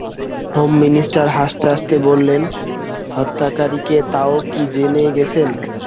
Home minister হাসতে-হাসতে বললেন, হত্যাকারী কে তাও কি জেনে গেছেন?